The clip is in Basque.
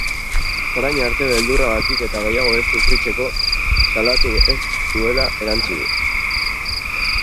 Orain arte beldurragatik eta gehiago ez sufritzeko salatu ez zuela erantsi du.